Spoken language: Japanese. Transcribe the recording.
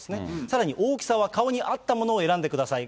さらに大きさは顔に合ったものを選んでください。